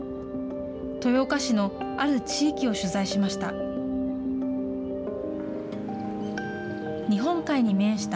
豊岡市のある地域を取材しました。